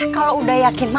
kalau udah yakin mah